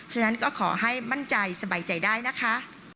ฉะนั้นก็ขอให้มั่นใจสบายใจได้นะคะ